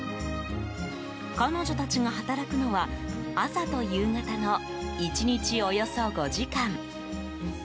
彼女たちが働くのは、朝と夕方の１日およそ５時間。